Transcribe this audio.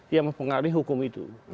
yang mempengaruhi hukum itu